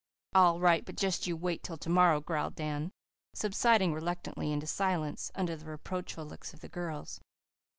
"All right, but just you wait till to morrow," growled Dan, subsiding reluctantly into silence under the reproachful looks of the girls.